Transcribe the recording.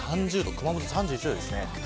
熊本３１度ですね。